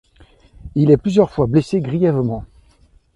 Il est plusieurs fois blessé grièvement.